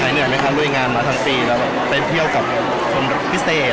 หายเหนื่อยมั้ยคะรวยงานมาทั้งปีแล้วไปเที่ยวกับคนพิเศษ